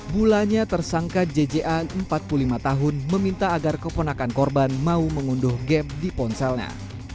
bulannya tersangka jja empat puluh lima tahun meminta agar keponakan korban mau mengunduh gap di ponselnya